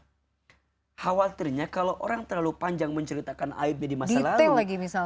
khawatirnya kalau orang terlalu panjang menceritakan aibnya di masa lalu